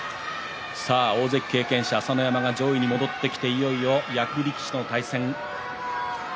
大関経験者朝乃山が上位に戻ってきて、いよいよ役力士との対戦。